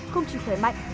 không chỉ khỏe mạnh